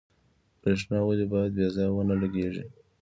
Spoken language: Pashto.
برښنا ولې باید بې ځایه ونه لګیږي؟